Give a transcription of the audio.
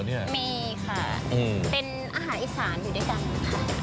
มีค่ะเป็นอาหารอีสานอยู่ด้วยกันค่ะ